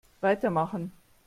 Weitermachen!